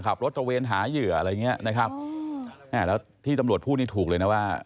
ขับรถตระเวนหาเหยื่ออะไรอย่างเงี้ยนะครับอ่าแล้วที่ตำรวจพูดนี่ถูกเลยนะว่า